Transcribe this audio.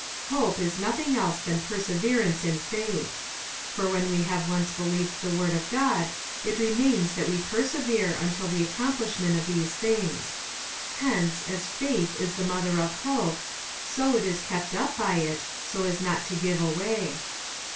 Hope is nothing else than perseverance m. faith. For when we have once believed the word of God, it remains that we persevere until the accom plishment of these things. Hence, as faith is the mother of hope, so it is kept up by it, so as not to give way.